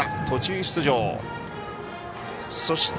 途中出場。